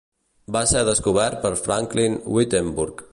Va ser descobert per Franklin Whittenburg.